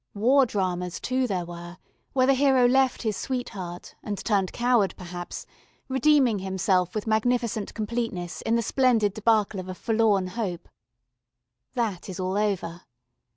War dramas too there were, where the hero left his sweetheart, and turned coward perhaps, redeeming himself with magnificent completeness in the splendid débâcle of a forlorn hope. That is all over.